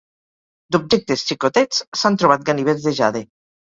D'objectes xicotets s'han trobat ganivets de jade.